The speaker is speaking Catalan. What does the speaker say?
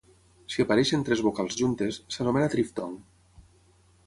Si apareixen tres vocals juntes, s'anomena triftong.